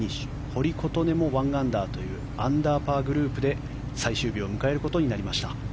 堀琴音も１アンダーというアンダーパーグループで最終日を迎えることになりました。